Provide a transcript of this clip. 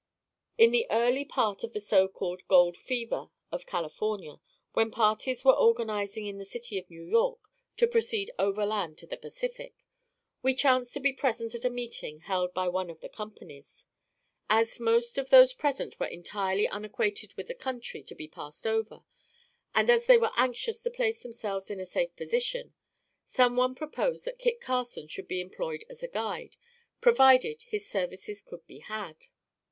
In the early part of the so called gold "fever" of California, when parties were organizing in the city of New York, to proceed overland to the Pacific, we chanced to be present at a meeting held by one of the companies. As most of those present were entirely unacquainted with the country to be passed over, and as they were anxious to place themselves in a safe position, some one proposed that Kit Carson should be employed as a guide, provided his services could be had.